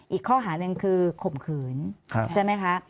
อีกข้อหาหนึ่งคือข่มขืนใช่ไหมคะ